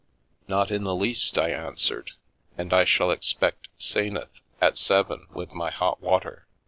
" Not in the least," I answered, " and I shall expect 'Senath at seven with my hot water."